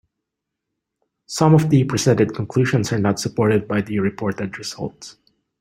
Some of the presented conclusions are not supported by the reported results.